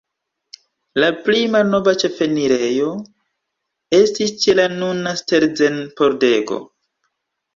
La pli malnova ĉefenirejo estis ĉe la nuna Stelzen-pordego.